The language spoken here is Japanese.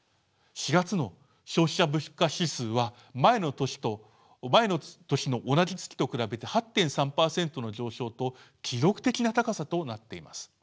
４月の消費者物価指数は前の年の同じ月と比べて８．３％の上昇と記録的な高さとなっています。